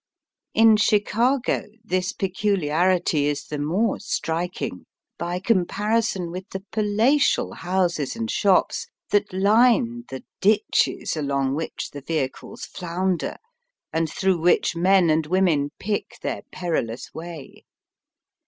In Chicago this pecuUarity is the more striking by comparison with the palatial houses and shops that line the ditches along which the vehicles flounder, and through which men and women pick their perilous way.